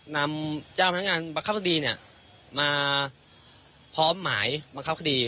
นำจ้าพนักงานประคับคดีมาพร้อมหมายประคับคดี